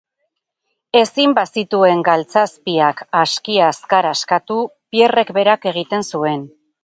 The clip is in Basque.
Ezin bazituen galtzazpiak aski azkar askatu, Pierrek berak egiten zuen.